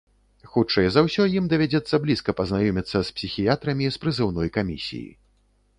Хутчэй за ўсё ім давядзецца блізка пазнаёміцца з псіхіятрамі з прызыўной камісіі.